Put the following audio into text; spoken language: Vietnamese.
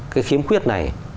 cái khiếm khuyết này